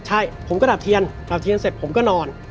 ใช่ผมก็ดับเทียนดับเทียนเสร็จผมก็นอน